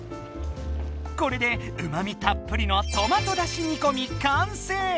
これでうまみたっぷりのトマトだしにこみ完成！